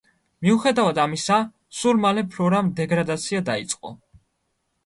მიუხედავად ამისა, სულ მალე ფლორამ დეგრადაცია დაიწყო.